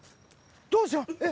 どうしよう。